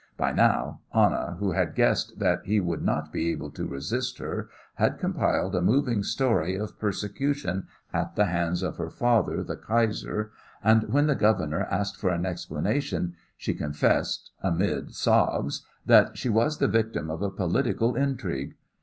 By now Anna, who had guessed that he would not be able to resist her, had compiled a moving story of persecution at the hands of her father, the Kaiser, and when the governor asked for an explanation she confessed, amid sobs, that she was the victim of a political intrigue.